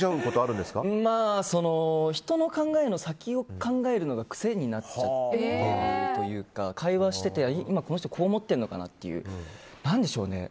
人の考えの先を考えるのが癖になっちゃってるというか会話をしていて今この人こう思っているんじゃないかとか何でしょうね。